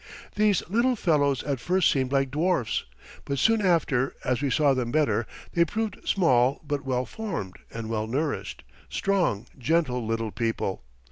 These little fellows at first seemed like dwarfs; but soon after, as we saw them better, they proved small but well formed and well nourished, strong, gentle little people.